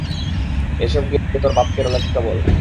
এসব গিয়ে তোর বাপ রোলেক্সকে বল!